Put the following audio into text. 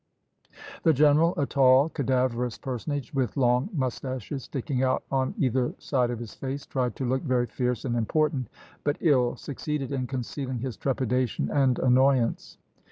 The general, a tall, cadaverous personage, with long moustaches sticking out on either side of his face, tried to look very fierce and important, but ill succeeded in concealing his trepidation and annoyance.